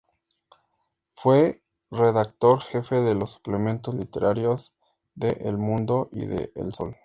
Fue redactor jefe de los suplementos literarios de "El Mundo" y de "El Sol".